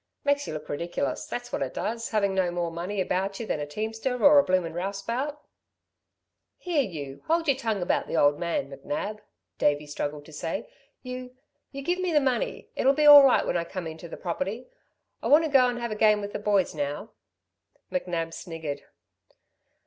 Makes you look ridiculous, that's what it does, havin' no more money about you than a teamster, or a bloomin' rouseabout." "Here you ... you hold your tongue about the old man, McNab," Davey struggled to say. "You ... you give me the money. It'll be all right when I come into the property. I want to go'n have a game with the boys now." McNab sniggered.